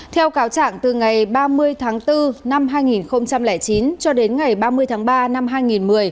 theo cáo trạng từ ngày ba mươi tháng bốn năm hai nghìn chín cho đến ngày ba mươi tháng ba năm hai nghìn một mươi